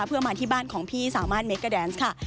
เพื่อมาที่บ้านของพี่สามารถเมกาแดนส์ค่ะ